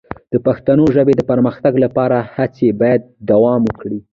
د پښتو ژبې د پرمختګ لپاره هڅې باید دوام وکړي.